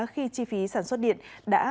khi chi phí sản xuất điện đã